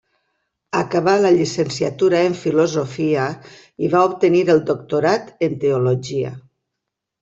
Acabà la llicenciatura en filosofia i va obtenir el doctorat en teologia.